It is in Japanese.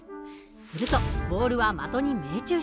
するとボールは的に命中します。